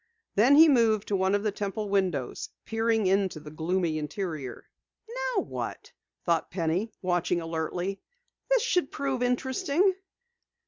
Then he moved to one of the Temple windows, peering into the gloomy interior. "Now what?" thought Penny, watching alertly. "This should prove interesting."